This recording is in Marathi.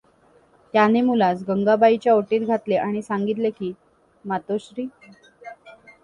त्याने मुलास गंगाबाईच्या ओटीत घातले आणि सांगितले की, मातोश्री!